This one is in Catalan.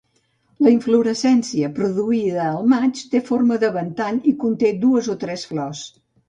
La inflorescència, produïda al maig, té forma de ventall i conté dues o tres flors.